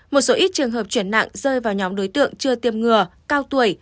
một số ít trường hợp chuyển nặng rơi vào nhóm đối tượng chưa tiêm ngừa cao tuổi